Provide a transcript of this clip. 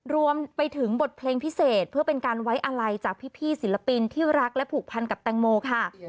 รวมไปถึงบทเพลงพิเศษเพื่อเป็นการไว้อะไรจากพี่ศิลปินที่รักและผูกพันกับแตงโมค่ะ